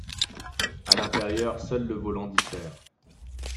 À l'intérieur, seul le volant diffère.